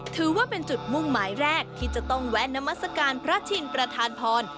ถือว่าเป็นจุดมุ่งหมายแรกที่จะต้องแวะนามัศกาลพระชินประธานพร